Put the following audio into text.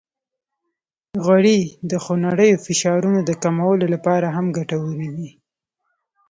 غوړې د خونړیو فشارونو د کمولو لپاره هم ګټورې دي.